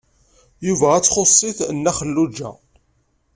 Yuba ad ttxuṣ-it Nna Xelluǧa.